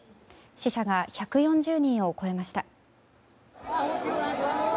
死者が１４０人を超えました。